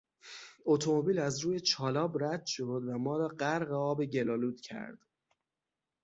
اتومبیل از روی چالاب رد شد و ما را غرق آب گل آلود کرد.